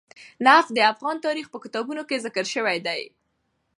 نفت د افغان تاریخ په کتابونو کې ذکر شوی دي.